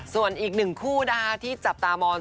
ส่วนอีกหนึ่งคู่นะคะที่จับตามอง